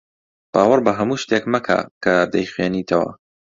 باوەڕ بە هەموو شتێک مەکە کە دەیخوێنیتەوە.